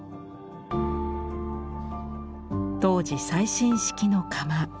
当時最新式の窯。